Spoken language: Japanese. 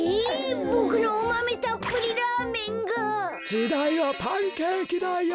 じだいはパンケーキだよ。